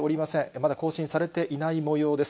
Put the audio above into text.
まだ更新されていないもようです。